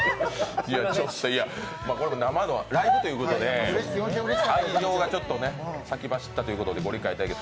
これ生の間違いということで、愛情が先走ったということでご理解いただければ。